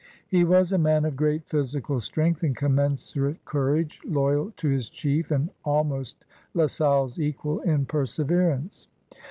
He was a man of great physical strength and commensurate courage, loyal to his chief and almost La Salle's equal in perseverance.